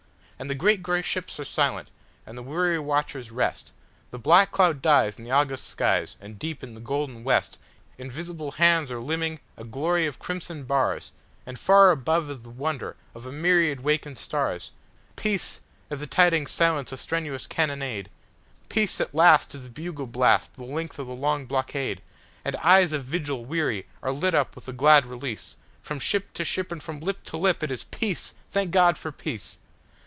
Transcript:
And the great gray ships are silent, and the weary watchers rest, The black cloud dies in the August skies, and deep in the golden westInvisible hands are limning a glory of crimson bars, And far above is the wonder of a myriad wakened stars! Peace! As the tidings silence the strenuous cannonade, Peace at last! is the bugle blast the length of the long blockade, And eyes of vigil weary are lit with the glad release, From ship to ship and from lip to lip it is "Peace! Thank God for peace."